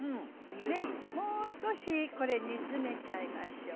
もう少しこれ煮詰めちゃいましょう。